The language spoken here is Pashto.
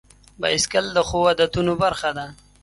بایسکل د ښو عادتونو برخه ده.